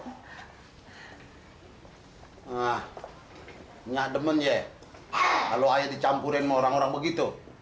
enggak demen ya kalau dicampurin orang orang begitu